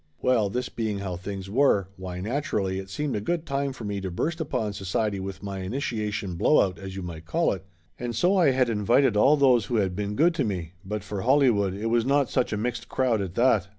Well, this being how things were, why naturally it seemed a good time for me to burst upon society with my initiation blowout as you might call it, and so I had invited all who had been good to me, but for Holly wood, it was not such a mixed crowd, at that.